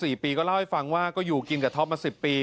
ปีก็เล่าให้ฟังว่าก็อยู่กินกับท็อปมาสิบปี